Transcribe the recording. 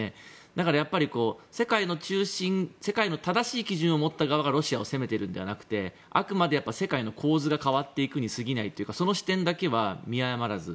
だから世界の正しい基準を持った側がロシアを責めているのではなくてあくまで世界の構図が変わっていくに過ぎないというかその視点だけは見誤らず。